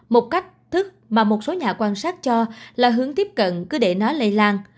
một cách thức mà một số nhà quan sát cho là hướng tiếp cận cứ để nó lây lan